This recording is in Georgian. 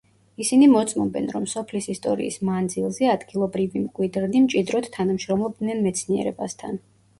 ისინი მოწმობენ, რომ სოფლის ისტორიის მანძილზე ადგილობრივი მკვიდრნი მჭიდროდ თანამშრომლობდნენ მეცნიერებასთან.